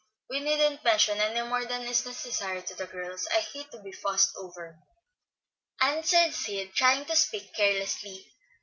We needn't mention any more than is necessary to the girls; I hate to be fussed over," answered Sid, trying to speak carelessly.